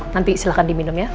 nanti silahkan di minum ya